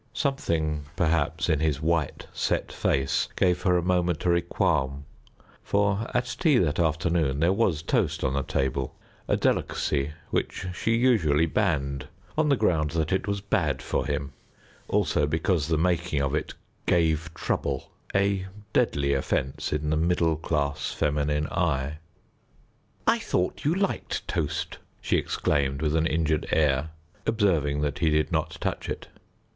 Something perhaps in his white set face gave her a momentary qualm, for at tea that afternoon there was toast on the table, a delicacy which she usually banned on the ground that it was bad for him; also because the making of it "gave trouble," a deadly offence in the middle class feminine eye. "I thought you liked toast," she exclaimed, with an injured air, observing that he did not touch it.